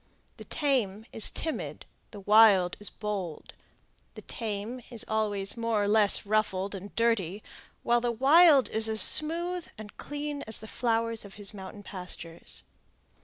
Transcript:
The tame is timid; the wild is bold. The tame is always more or less ruffled and dirty; while the wild is as smooth and clean as the flowers of his mountain pastures.